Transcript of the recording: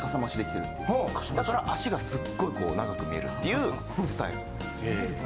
だから脚がすっごい長く見えるっていうスタイル。